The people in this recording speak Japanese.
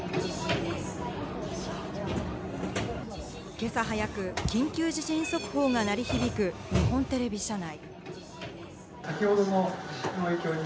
今朝早く、緊急地震速報が鳴り響く日本テレビ社内。